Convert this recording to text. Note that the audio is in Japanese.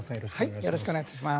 よろしくお願いします。